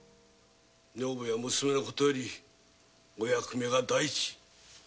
女房や娘の事よりお役目が大事。